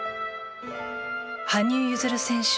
羽生結弦選手